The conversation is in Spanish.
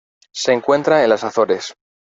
Se encuentra en las Azores.